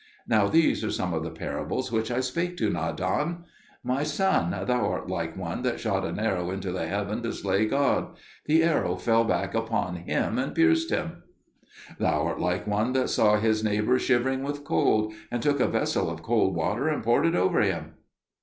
Now these are some of the parables which I spake to Nadan: "My son, thou art like one that shot an arrow into the heaven to slay God: the arrow fell back upon him and pierced him." "Thou art like one that saw his neighbour shivering with cold, and took a vessel of cold water and poured it over him."